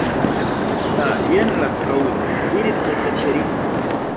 "Ha, jen la kaŭzo," diris la Ĉapelisto.